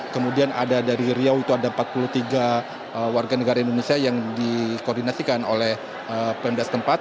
kemudian ada dari riau itu ada empat puluh tiga warga negara indonesia yang dikoordinasikan oleh pmd setempat